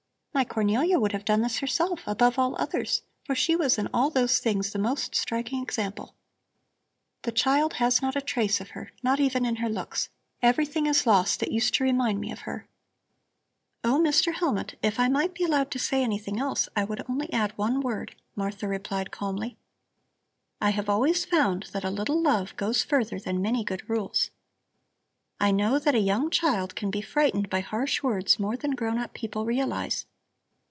My Cornelia would have done this herself, above all others, for she was in all those things the most striking example. The child has not a trace of her, not even in her looks; everything is lost that used to remind me of her." "Oh, Mr. Hellmut, if I might be allowed to say anything else, I would only add one word," Martha replied calmly. "I have always found that a little love goes further than many good rules. I know that a young child can be frightened by harsh words more than grown up people realize.